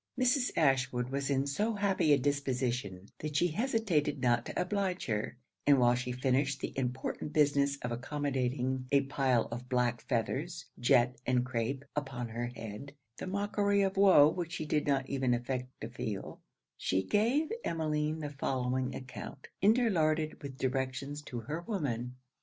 Mrs. Ashwood was in so happy a disposition, that she hesitated not to oblige her; and while she finished the important business of accommodating a pile of black feathers, jet and crape, upon her head, 'the mockery of woe' which she did not even affect to feel, she gave Emmeline the following account, interlarded with directions to her woman.